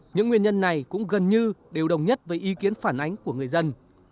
những nguyên nhân này cũng gần như đều đồng nhất với ý kiến phản ánh của người dân